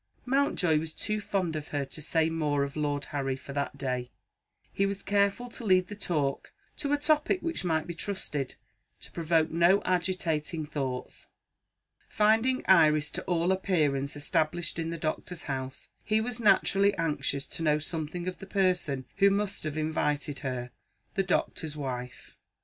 Mountjoy was too fond of her to say more of Lord Harry, for that day. He was careful to lead the talk to a topic which might be trusted to provoke no agitating thoughts. Finding Iris to all appearance established in the doctor's house, he was naturally anxious to know something of the person who must have invited her the doctor's wife.